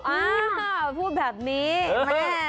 อ่าพูดแบบนี้แม่